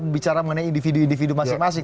bicara mengenai individu individu masing masing